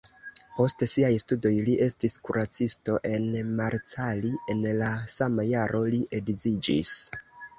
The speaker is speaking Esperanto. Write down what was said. Post siaj studoj li estis kuracisto en Marcali, en la sama jaro li edziĝis.